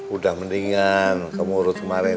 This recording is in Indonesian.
udah mendingan kamu urut kemaren